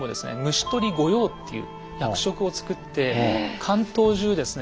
「虫捕御用」っていう役職を作って関東中ですね